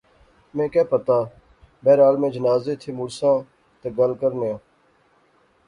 میں کہہ پتہ، بہرحال میں جنازے تھی مڑساں تہ گل کرنیاں